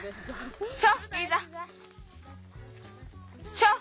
ショー！